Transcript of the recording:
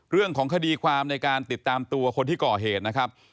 เรื่องของคดีความในการติดตามตัวคนที่ก่อเหตุนะครับ